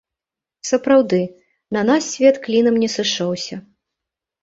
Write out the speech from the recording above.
Сапраўды, на нас свет клінам не сышоўся.